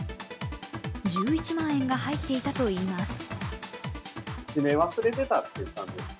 １１万円が入っていたといいます。